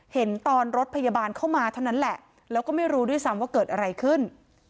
เห็นตอนรถพยาบาลเข้ามาเท่านั้นแหละแล้วก็ไม่รู้ด้วยซ้ำว่าเกิดอะไรขึ้น